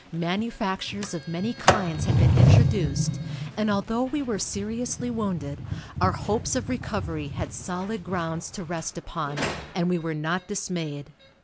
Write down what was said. Manufactures of many kinds had been introduced, and although we were seriously wounded, our hopes of recovery had solid grounds to rest upon, and we were not dismayed.